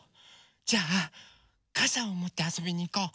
じゃあかさをもってあそびにいこう。